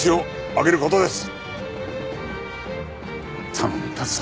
頼んだぞ